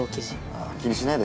あ気にしないで。